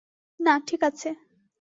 না ঠিক আছে।